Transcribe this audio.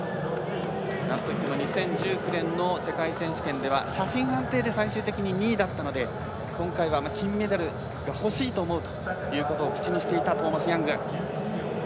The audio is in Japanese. なんといっても２０１９年の世界選手権では写真判定で最終的に２位だったので今回は金メダルがほしいと思うと口にしていたトーマス・ヤング。